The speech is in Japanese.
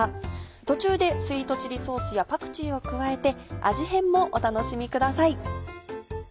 途中でスイートチリソースやパクチーを加えて味変もお楽しみください。